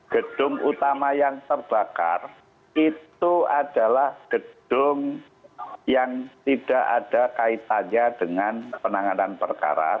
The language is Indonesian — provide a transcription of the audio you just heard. gedung utama yang terbakar itu adalah gedung yang tidak ada kaitannya dengan penanganan perkara